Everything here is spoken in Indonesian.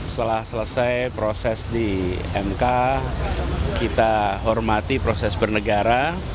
setelah selesai proses di mk kita hormati proses bernegara